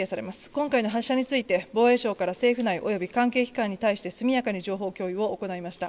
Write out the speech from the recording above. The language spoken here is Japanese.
今回の発射について防衛省から政府内および関係機関に対して速やかに情報共有を行いました。